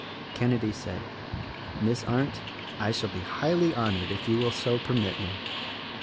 Kenedy said, "Miss Arndt, I shall be highly honored if you will so permit me.